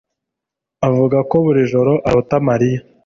avuga ko buri joro arota Mariya